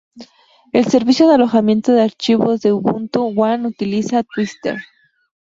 El servicio de alojamiento de archivos de Ubuntu One utiliza Twisted.